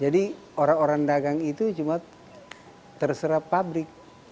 jadi orang orang dagang itu cuma terserah pabrik